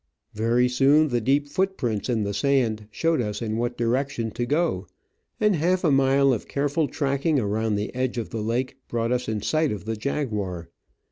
Very soon the deep footprints in the sand showed us in what direction to go, and half a mile of careful tracking around the edge of the lake brought us in sight of the jaguar.